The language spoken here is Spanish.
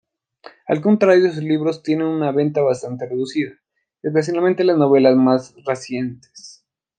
Al contrarioː sus libros tienen una venta bastante reducida, especialmente las novelas más recientes.